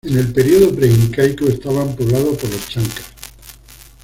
En el periodo pre-incaico, estaba poblado por los Chancas.